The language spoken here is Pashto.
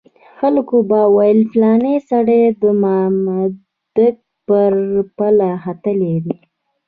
خلکو به ویل پلانی سړی د مامدک پر پله ختلی دی.